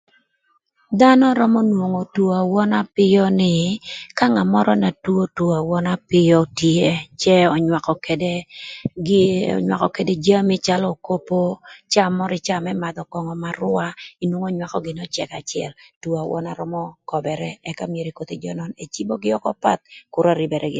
Dhanö römö nwongo two awöna apïö nï ka ngat mörö na two two awöna apïö tye cë önywakö ködë gi önywakö ködë jami calö okopo caa mörö ï caa më madhö köngö marüa inwongo nywakö gïnï öcëkë acël two awöna römö köbërë ëka myero kothi jö nön ecibogï ökö path kür örïbërë gïnï.